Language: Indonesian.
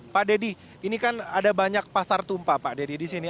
pak deddy ini kan ada banyak pasar tumpah pak deddy di sini